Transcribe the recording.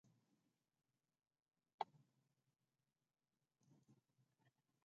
Ashbridge reported that faulty wiring caused the fire.